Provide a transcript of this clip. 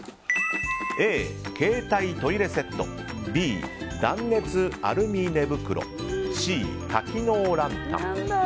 Ａ、携帯トイレセットＢ、断熱アルミ寝袋Ｃ、多機能ランタン。